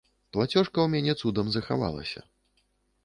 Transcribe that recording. Плацёжка ў мяне цудам захавалася.